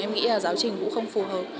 em nghĩ là giáo trình cũng không phù hợp